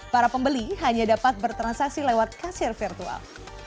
para pembeli hanya dapat bertransaksi lewat kasir virtual